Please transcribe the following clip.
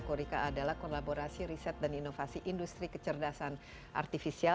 korika adalah kolaborasi riset dan inovasi industri kecerdasan artifisial